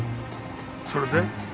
それで？